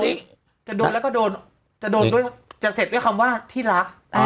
จะเสร็จด้วยคำว่าที่รัก